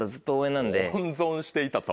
温存していたと。